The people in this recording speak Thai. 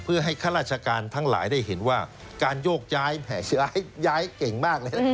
เพื่อให้ข้าราชการทั้งหลายได้เห็นว่าการโยกย้ายแหมย้ายเก่งมากเลยนะครับ